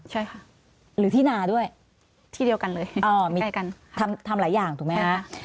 ใช่ค่ะหรือที่นาด้วยที่เดียวกันเลยอ๋อมีใกล้กันทำทำหลายอย่างถูกไหมคะใช่ค่ะ